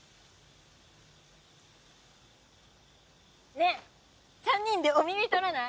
ねぇ３人で「お耳」録らない？